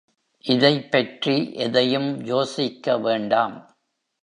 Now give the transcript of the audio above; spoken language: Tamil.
இதைப் பற்றி எதையும் யோசிக்க வேண்டாம்.